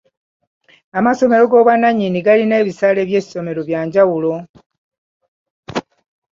Amasomero g'obwannannyini galina ebisale by'essomero bya njawulo.